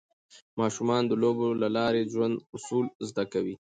ماشومان د لوبو له لارې د ژوند اصول زده کوي.